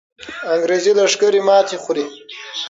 انګریزي لښکر ماتې خوري.